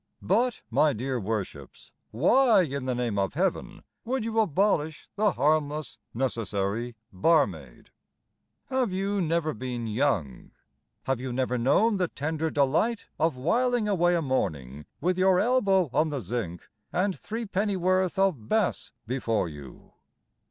But, my dear Worships, Why, in the name of Heaven, would you abolish The harmless, necessary barmaid? Have you never been young? Have you never known the tender delight Of whiling away a morning With your elbow on the zinc And threepennyworth of Bass before you?